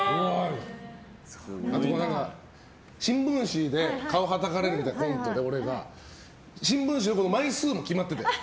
あと、新聞紙で顔をはたらかれるコントで、俺が新聞紙の枚数も決まってて。